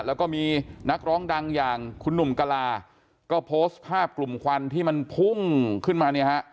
แล้วก็มีนักร้องดังอย่างคุณหนุ่มกลาก็โพสต์ภาพกลุ่มควันที่มันพุ่งขึ้นมาเนี่ยฮะ